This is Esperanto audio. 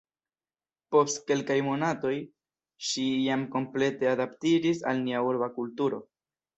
Post kelkaj monatoj, ŝi jam komplete adaptiĝis al nia urba kulturo.